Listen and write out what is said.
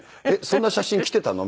そんな写真来てたの？」